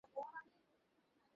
ওকে, সবাই একটু নিজেদের গোছান, ওকে?